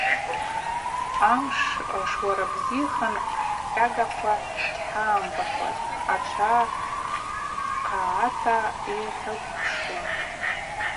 Амш шуарабзихан хӏкӏьагваква гьхӏагӏымбахуазтӏ, ачва хъагӏата йхӏыкӏвпшшуан.